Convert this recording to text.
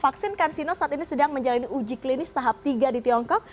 vaksin kansino saat ini sedang menjalani uji klinis tahap tiga di tiongkok